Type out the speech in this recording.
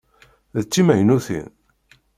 D timaynutin?